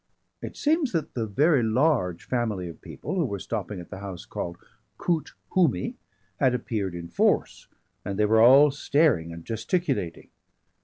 It seems that the very large family of people who were stopping at the house called Koot Hoomi had appeared in force, and they were all staring and gesticulating.